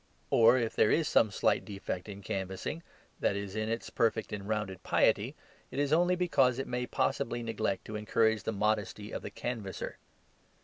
Or if there is some slight defect in canvassing, that is in its perfect and rounded piety, it is only because it may possibly neglect to encourage the modesty of the canvasser.